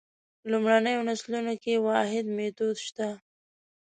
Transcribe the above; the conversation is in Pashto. لومړنیو نسلونو کې واحد میتود شته.